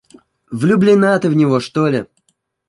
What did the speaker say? Влюблена ты в него, что ли?